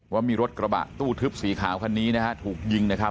ว่ามีรถกระบะตู้ทึบสีขาวคันนี้นะฮะถูกยิงนะครับ